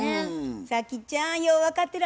早希ちゃんよう分かってる。